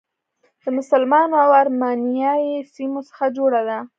د مسلمانو او ارمنیایي سیمو څخه جوړه ده.